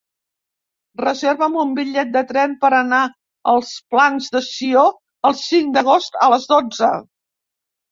Reserva'm un bitllet de tren per anar als Plans de Sió el cinc d'agost a les dotze.